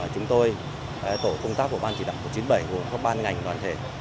chúng tôi tổ công tác của ban chỉ đẳng chín mươi bảy của các ban ngành đoàn thể